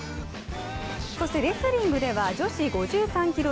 レスリングでは女子５３キロ